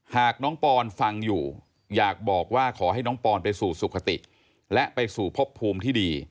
หากน้องปอนฟังอยู่อยากบอกว่าขอให้น้องปอนไปสู่สุขติและไปสู่พบภูมิที่ดี